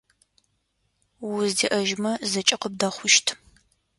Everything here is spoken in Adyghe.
Узэдеӏэжьмэ зэкӏэ къыбдэхъущт.